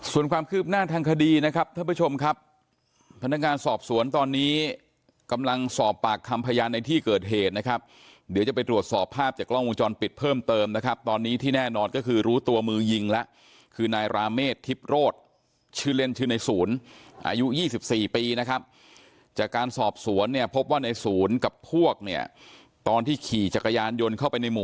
ส่วนความคืบหน้าทางคดีนะครับท่านผู้ชมครับพนักงานสอบสวนตอนนี้กำลังสอบปากคำพยานในที่เกิดเหตุนะครับเดี๋ยวจะไปตรวจสอบภาพจากกล้องวงจรปิดเพิ่มเติมนะครับตอนนี้ที่แน่นอนก็คือรู้ตัวมือยิงละคือนายราเมฆทิพย์โรดชื่อเล่นชื่อในศูนย์อายุยี่สิบสี่ปีนะครับจากการสอบสวนเนี้ยพ